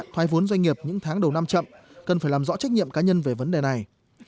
thoái vốn doanh nghiệp những tháng đầu năm chậm cần phải làm rõ trách nhiệm cá nhân về vấn đề này